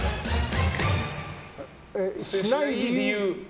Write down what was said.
しない理由。